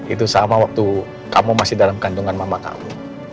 itu sama waktu kamu masih dalam kandungan mama kamu